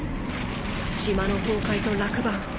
島の崩壊と落盤